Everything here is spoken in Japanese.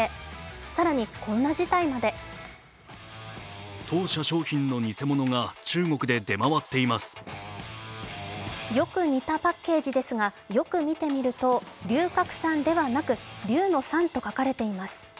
更にこんな事態までよく似たパッケージですがよく見てみると、「龍角散」ではなく「龍の散」と書かれています。